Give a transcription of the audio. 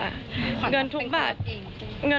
เหอะขวัญเงินทุกบาททุกสตางค์เนี้ย